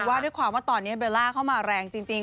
ว่าด้วยความว่าตอนนี้เบลล่าเข้ามาแรงจริง